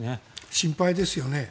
心配ですよね。